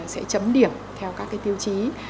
sẽ chấm điểm theo các tiêu chí